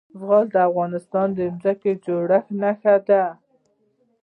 زغال د افغانستان د ځمکې د جوړښت نښه ده.